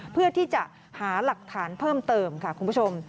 เพื่อที่จะหาหลักฐานเพิ่มเติมค่ะคุณผู้ชม